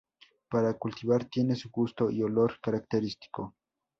Cada cultivar tiene su gusto y olor característico.